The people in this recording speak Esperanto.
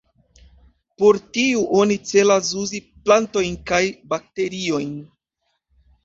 Por tiu oni celas uzi plantojn kaj bakteriojn.